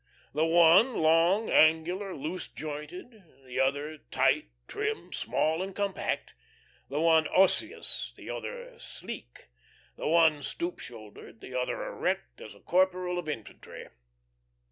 The one, long, angular, loose jointed; the other, tight, trim, small, and compact. The one osseous, the other sleek; the one stoop shouldered, the other erect as a corporal of infantry.